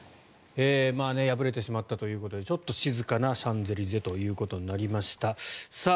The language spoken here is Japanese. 敗れてしまったということでちょっと静かなシャンゼリゼということになりました。